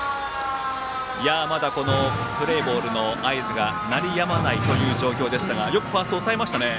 まだプレーボールの合図が鳴り止まないという状況でしたがよくファースト、抑えましたね。